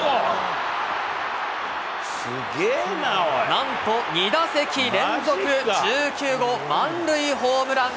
なんと２打席連続、１９号満塁ホームラン。